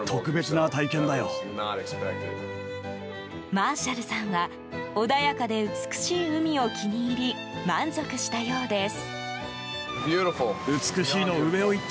マーシャルさんは穏やかで美しい海を気に入り満足したようです。